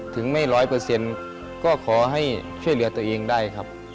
ถึงไม่๑๐๐ก็ขอให้ช่วยเหลือตัวเองได้ครับ